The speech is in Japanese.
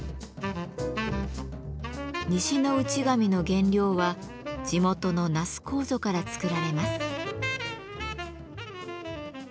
西の内紙の原料は地元の那須楮から作られます。